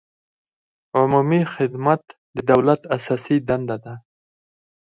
عمومي خدمت د دولت اساسي دنده ده.